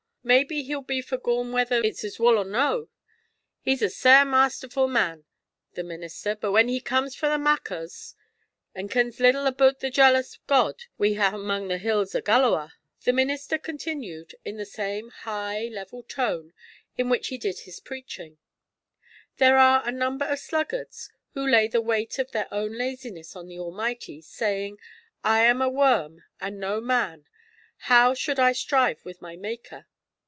Maybe he'll be for gaun whether it's His wull or no' he's a sair masterfu' man, the minister; but he comes frae the Machars,[*] an' kens little aboot the jealous God we hae amang the hills o' Gallowa'!' [*] The Eastern Lowlands of Wigtonshire. The minister continued, in the same high, level tone in which he did his preaching, 'There are a number of sluggards who lay the weight of their own laziness on the Almighty, saying, "I am a worm and no man how should I strive with my Maker?"